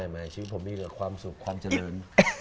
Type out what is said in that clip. ไม่ชีวิตของผมมีความสุขความเจริญ